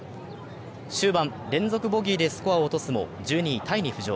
終盤、連続ボギーでスコアを落とすも、１２位タイに浮上。